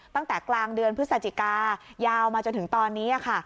ตั้งแต่กลางเดือนพฤศจิกายาวมาจนถึงตอนนี้ค่ะ